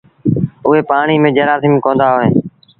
اُئي پآڻيٚ ميݩ جرآسيٚم ڪوندآ هوئيݩ۔